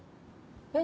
えっ？